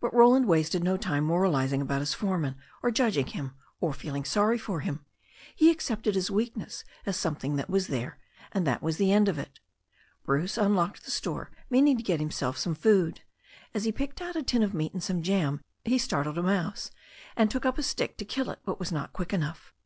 But Roland wasted no time moralizing about his foreman, or judging him, or feeling sorry for him. He accepted his weakness as something that was there, and that was the end of it. Bruce unlocked the store, meaning to get himself some food. As he picked out a tin of meat and some jam, he startled a mouse, and took up a stick to kill it, but was not quick enough.